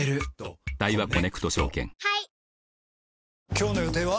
今日の予定は？